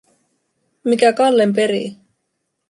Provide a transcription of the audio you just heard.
Mikä Kallen perii?